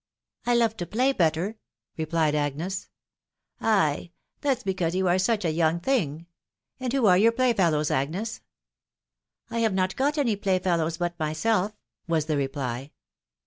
I love to play better," replied Agnes. Ay .... that's because you are such a young thing. And who are your playfellows, Agnes ?"" I have not got any playfellows but myself," was the reply.